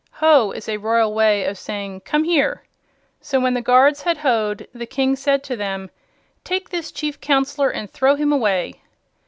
"Ho" is a royal way of saying, "Come here." So, when the guards had hoed, the King said to them: "Take this Chief Counselor and throw him away."